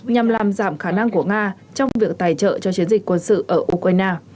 nhằm làm giảm khả năng của nga trong việc tài trợ cho chiến dịch quân sự ở ukraine